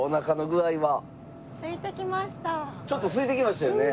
ちょっとすいてきましたよね。